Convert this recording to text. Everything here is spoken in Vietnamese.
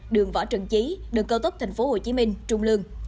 đường võ trần chí đường cao tốc tp hcm trung lương